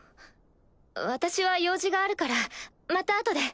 私は用事があるからまた後で。